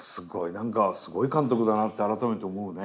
何かすごい監督だなって改めて思うね。